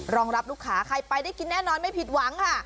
รองรับลูกค้าใครไปได้กินแน่นอนไม่ผิดหวังค่ะ